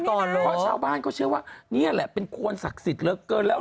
เพราะชาวบ้านเขาเชื่อว่านี่แหละเป็นคนศักดิ์สิทธิ์เหลือเกินแล้ว